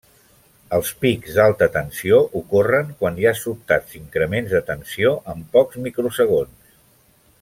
Els pics d'alta tensió ocorren quan hi ha sobtats increments de tensió en pocs microsegons.